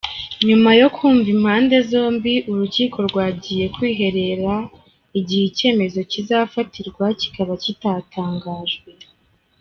Nyuma yo kumva impande zombi urukiko rwagiye kwiherera, igihe icyemezo kizafatirwa kikaba kitatangajwe.